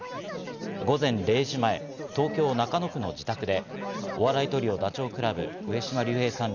午前０時前、東京・中野区の自宅でお笑いトリオ、ダチョウ倶楽部・上島竜兵さん